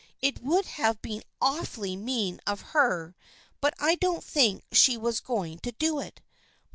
It would have been awfully mean of her, but I don't think she was going to do it.